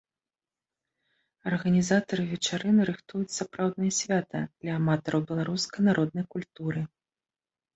Арганізатары вечарыны рыхтуюць сапраўднае свята для аматараў беларускай народнай культуры.